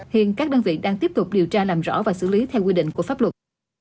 hiện các đơn vị đang tiếp tục điều tra làm rõ và xử lý theo quy định của pháp luật